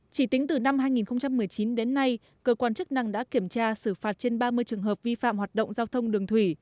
chỉ tính từ năm hai nghìn một mươi chín đến nay cơ quan chức năng đã kiểm tra xử phạt trên ba mươi trường hợp vi phạm hoạt động giao thông đường thủy